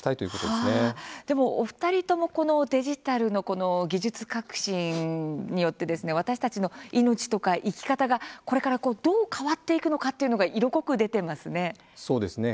お二人ともデジタルの技術革新によって私たちの命や生き方がこれからどう変わっていくのかというのが色濃く出ているんですね。